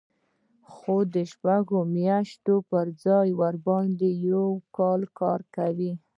خو د شپږو میاشتو پر ځای ورباندې یو کال کار کوي